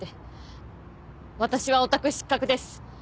私はオタク失格です。